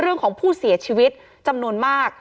เรื่องของผู้เสียชีวิตจำนวนมาก